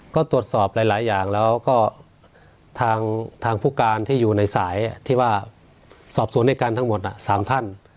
ก็ตรวจสอบหลายอย่างแล้วก็ทางผู้การที่อยู่ในสายที่ว่าสอบสวนด้วยกันทั้งหมด๓ท่าน